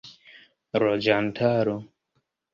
loĝantaro